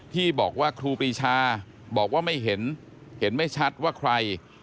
ที่บอกว่าครูปรีชาบอกว่าไม่เห็นเห็นไม่ชัดว่าใคร